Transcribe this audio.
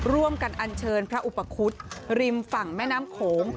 อันเชิญพระอุปคุฎริมฝั่งแม่น้ำโขง